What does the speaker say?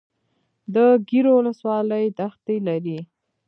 د ګیرو ولسوالۍ دښتې لري